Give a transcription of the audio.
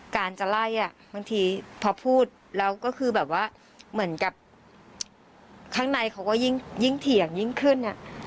การจะไล่อ่ะบางทีพอพูดแล้วก็คือแบบว่าเหมือนกับข้างในเขาก็ยิ่งเถียงยิ่งขึ้น